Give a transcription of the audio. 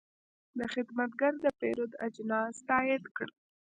دا خدمتګر د پیرود اجناس تایید کړل.